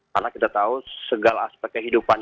karena kita tahu segala aspek kehidupan